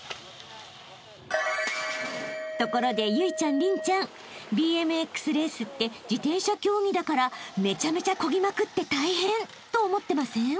［ところで有以ちゃん麟ちゃんＢＭＸレースって自転車競技だからめちゃめちゃこぎまくって大変と思ってません？］